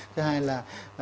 thứ hai là